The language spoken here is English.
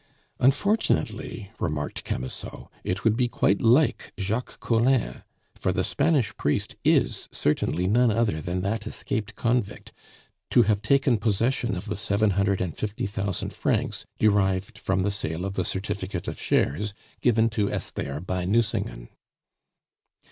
"Unfortunately," remarked Camusot, "it would be quite like Jacques Collin for the Spanish priest is certainly none other than that escaped convict to have taken possession of the seven hundred and fifty thousand francs derived from the sale of the certificate of shares given to Esther by Nucingen."